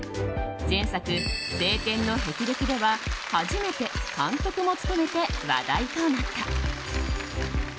前作「青天の霹靂」では初めて監督も務めて話題となった。